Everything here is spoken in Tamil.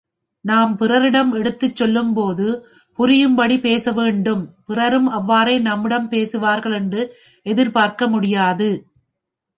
நாம் பிறரிடம் எடுத்துச் சொல்லும்போது புரியும்படி பேச வேண்டும் பிறரும் அவ்வாறே நம்மிடம் பேசுவார்கள் என்று எதிர்பார்க்க முடியாது.